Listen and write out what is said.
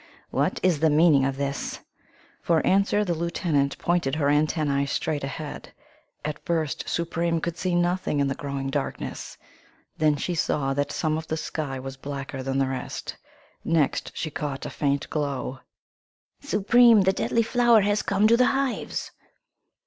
"What is the meaning of this?" For answer the lieutenant pointed her antennae straight ahead. At first Supreme could see nothing in the growing darkness; then she saw that some of the sky was blacker than the rest. Next she caught a faint glow. "Supreme, the deadly flower has come to the hives!"